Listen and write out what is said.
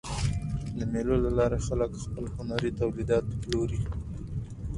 د مېلو له لاري خلک خپل هنري تولیدات پلوري.